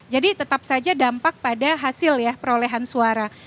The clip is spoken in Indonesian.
jadi tetap saja dampak pada hasil ya perolehan suara